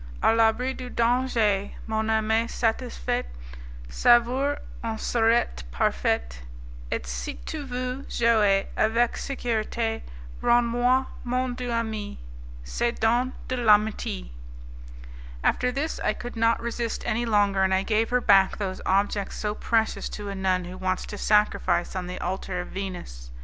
A l'abri du danger, mon ame satisfaite Savoure en surete parfaite; Et si tu veux jauer avec securite, Rends moi mon doux ami, ces dons de l'amitie. After this I could not resist any longer, and I gave her back those objects so precious to a nun who wants to sacrifice on the altar of Venus.